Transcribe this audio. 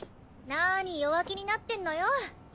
なに弱気になってんのよ。